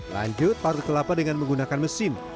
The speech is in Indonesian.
lanjut parut kelapa dengan menggunakan mesin